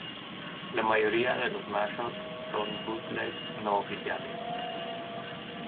La mayoría de los mashups son bootlegs no oficiales.